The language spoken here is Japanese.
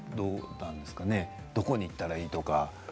どこに行ったらいいとか。